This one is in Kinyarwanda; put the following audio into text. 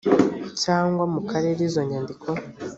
cyangwa mu karere izo nyandiko